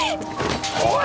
おい！